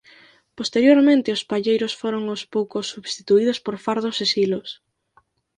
Posteriormente os palleiros foron aos poucos substituídos por fardos e silos.